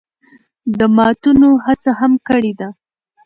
د ماتونو هڅه هم کړې ده